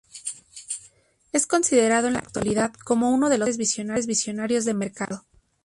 Es considerado en la actualidad como uno de los más grandes visionarios de mercado.